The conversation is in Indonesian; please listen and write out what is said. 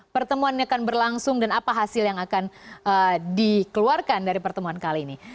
pertemuan ini akan berlangsung dan apa hasil yang akan dikeluarkan dari pertemuan kali ini